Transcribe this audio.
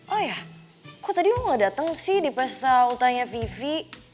oh ya kok tadi lo gak dateng sih di pesta utahnya vivi